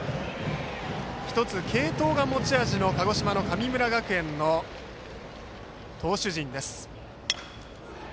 １つ、継投が持ち味の鹿児島・神村学園の投手陣です。